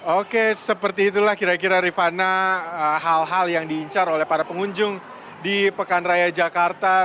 oke seperti itulah kira kira rifana hal hal yang diincar oleh para pengunjung di pekan raya jakarta